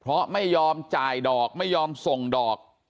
เพราะไม่ยอมจ่ายดอกไม่ยอมส่งดอก